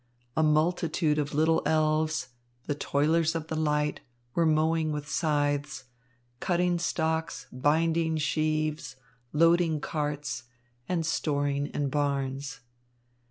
A multitude of little elves, the Toilers of the Light, were mowing with scythes, cutting stalks, binding sheaves, loading carts, and storing in barns.